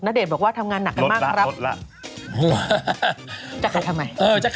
นเดชน์บอกว่าทำงานหนักมาก